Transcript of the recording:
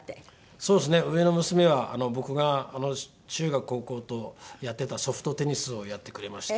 そうですね上の娘は僕が中学高校とやってたソフトテニスをやってくれまして。